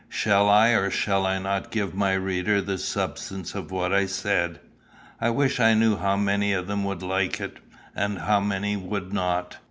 Shall I or shall I not give my reader the substance of what I said? I wish I knew how many of them would like it, and how many would not.